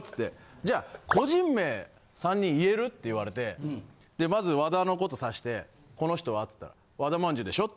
「じゃあ」。って言われてでまず和田のこと指して「この人は？」つったら「和田まんじゅうでしょ」って。